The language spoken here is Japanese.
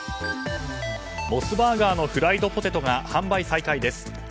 モスバーガーのフライドポテトが販売再開です。